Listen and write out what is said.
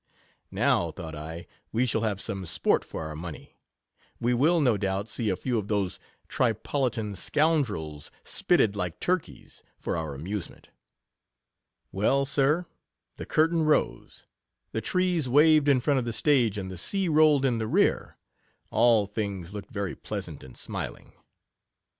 JNow, thought I, we shall have some sport for our money ; we will, no doubt, see a few of those Tripolitan scoun drels spitted like turkeys, for our amusement, Well, sir, the curtain rose — the trees waved in front of the stage, and the sea rolled in the rear — all things looked very pleasant and smiling.